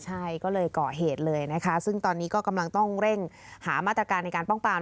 ใช่ก็เลยเกาะเหตุเลยนะคะซึ่งตอนนี้ก็กำลังต้องเร่งหามาตรการในการป้องปราม